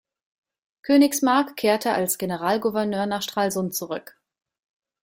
Königsmarck kehrte als Generalgouverneur nach Stralsund zurück.